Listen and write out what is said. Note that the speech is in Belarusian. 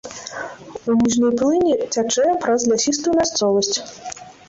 У ніжняй плыні цячэ праз лясістую мясцовасць.